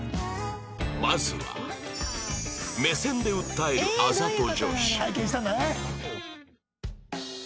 まずは目線で訴えるあざと女子